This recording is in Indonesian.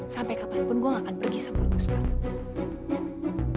sampai kapan pun gue gak akan pergi sama lo gustaf